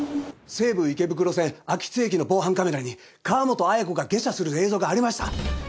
西武池袋線秋津駅の防犯カメラに川本綾子が下車する映像がありました。